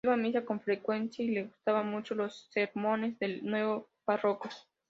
Iba a misa con frecuencia y le gustaban mucho los sermones del nuevo párroco.